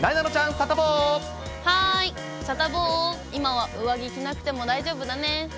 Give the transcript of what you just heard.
サタボー、今は上着着なくても大丈夫だね。